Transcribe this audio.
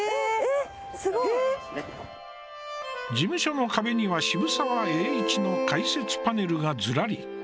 事務所の壁には渋沢栄一の解説パネルがずらり。